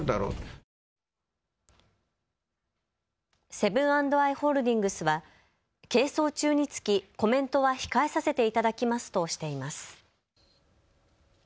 セブン＆アイ・ホールディングスは係争中につきコメントは控えさせていただきますとしています。